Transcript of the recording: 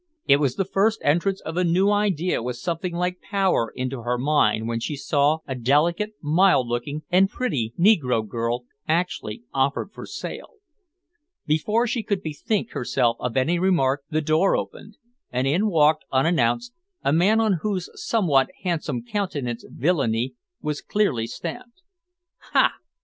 It was the first entrance of a new idea with something like power into her mind when she saw a delicate, mild looking, and pretty negro girl actually offered for sale. Before she could bethink herself of any remark the door opened, and in walked, unannounced, a man on whose somewhat handsome countenance villainy was clearly stamped. "Ha!